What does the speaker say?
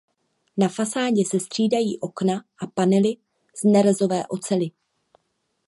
Na fasádě se střídají okna a panely z nerezové oceli.